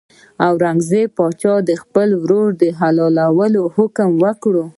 اورنګزېب پاچا د خپل ورور د حلالولو حکم وکړ.